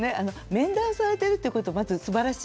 面談されているっていうことはまずすばらしいですよね。